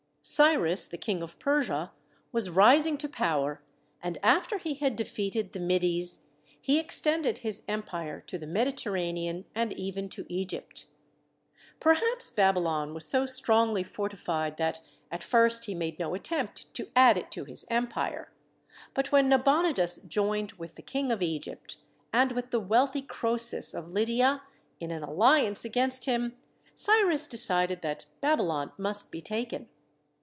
Cyrus, the King of Persia, was rising to power, and after he had defeated the Medes he extended his empire to the Mediter ranean and even to Egypt. Perhaps Babylon was so strongly fortified that at first he made no attempt to add it to his empire, but when Nabo nidus joined with the King of Egypt and with the wealthy Croesus of Lydia in an alliance against him, Cyrus decided that Babylon must be taken.